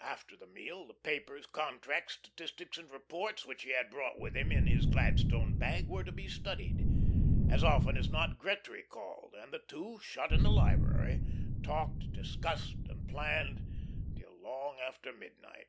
After the meal the papers, contracts, statistics and reports which he had brought with him in his Gladstone bag were to be studied. As often as not Gretry called, and the two, shut in the library, talked, discussed, and planned till long after midnight.